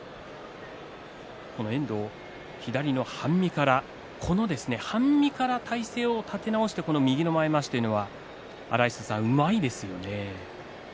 遠藤、左の半身から体勢を立て直し右の前まわしというのはうまいですよね。